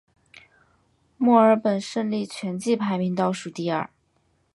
墨尔本胜利全季排名倒数第二。